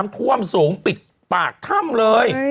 ท่วมสูงปิดปากถ้ำเลย